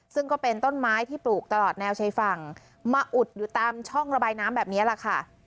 ซึ่งก็เป็นต้นไม้ที่ปลูกตลอดแนวชายฝั่งมาอุดอยู่ตามช่องระบายน้ำแบบนี้แหละค่ะ